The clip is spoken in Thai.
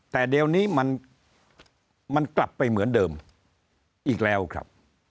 แต่เดี๋ยวนี้มันกลับไปเหมือนเดิมอีกแล้วครับ